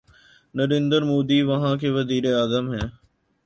نریندر مودی وہاں کے وزیر اعظم ہیں۔